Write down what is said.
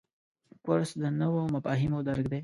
کورس د نویو مفاهیمو درک دی.